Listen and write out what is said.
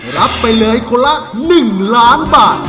รับไปเลยคนละ๑ล้านบาท